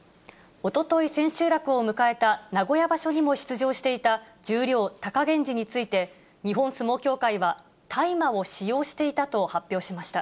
おととい、千秋楽を迎えた名古屋場所にも出場していた十両、貴源治について、日本相撲協会は大麻を使用していたと発表しました。